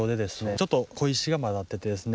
ちょっとこいしがまざっててですね